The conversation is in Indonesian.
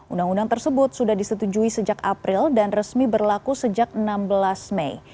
undang undang tersebut sudah disetujui sejak april dan resmi berlaku sejak enam belas mei